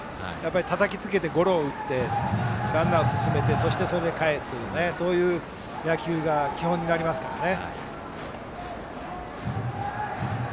たたきつけて、ゴロを打ってランナーを進めてそして、それでかえすというそういう野球が基本になりますからね。